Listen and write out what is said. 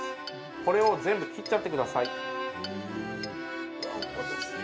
これを全部切っちゃってください。